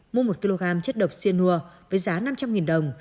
mua một kg chất độc xia nùa với giá năm trăm linh đồng